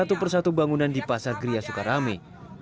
satu persatu bangunan di pasar gria sukarame